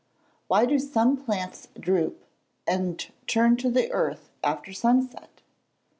_Why do some plants droop, and turn to the earth after sunset?